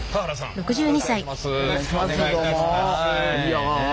よろしくお願いします。